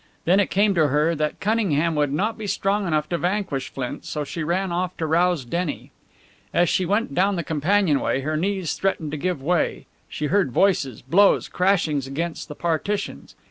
Then it came to her that Cunningham would not be strong enough to vanquish Flint, so she ran aft to rouse Denny. As she went down the companionway, her knees threatening to give way, she heard voices, blows, crashings against the partitions.